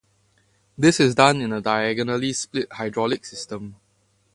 This is done in a diagonally split hydraulic system.